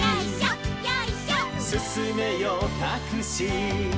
「すすめよタクシー」